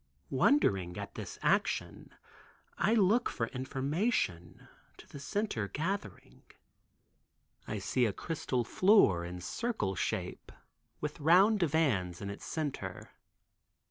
Wondering at this action, I look for information, to the center gathering, I see a crystal floor in circle shape, with round divans in its center.